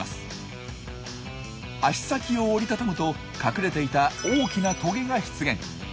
脚先を折り畳むと隠れていた大きなトゲが出現。